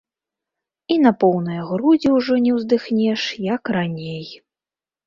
І на поўныя грудзі ужо не ўздыхнеш, як раней.